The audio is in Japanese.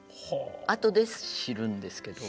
あとで知るんですけど。